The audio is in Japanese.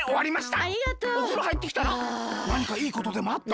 なにかいいことでもあった？